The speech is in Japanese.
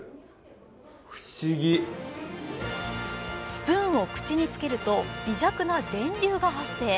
スプーンを口につけると微弱な電流が発生。